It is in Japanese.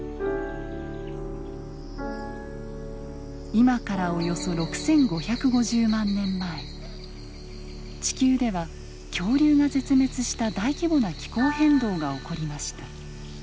今からおよそ６，５５０万年前地球では恐竜が絶滅した大規模な気候変動が起こりました。